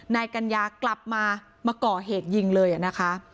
นายกัญญากลับมามาก่อเหตุยิงเลยนะคะ